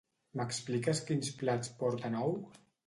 M'expliques quins plats porten ou?